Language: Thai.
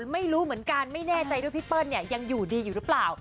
ไม่รู้เหมือนกันไม่แน่ใจด้วยพี่เปิ้ลยังอยู่ดีอยู่หรือเปล่า